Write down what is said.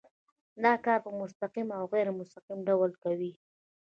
دا کار په مستقیم او غیر مستقیم ډول کوي.